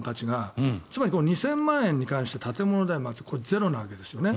つまり２０００万円に関して建物代はゼロなんですよね。